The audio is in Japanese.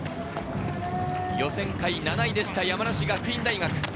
予選会７位でした山梨学院大学。